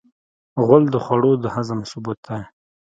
غول د خوړو د هضم ثبوت دی.